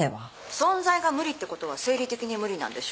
存在が無理ってことは生理的に無理なんでしょ？